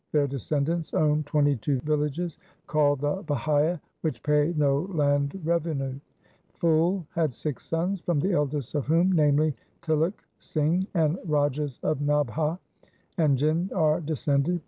Their descendants own twenty two villages called the Bahia, which pay no land revenue. Phul had six sons, from the eldest of whom, namely Tilok Singh, the Rajas of Nabha and Jind are descended.